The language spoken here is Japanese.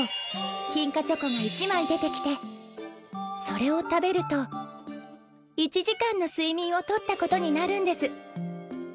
金貨チョコが一枚出てきてそれを食べると１時間のすいみんをとったことになるんです！